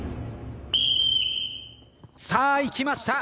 さあいきました。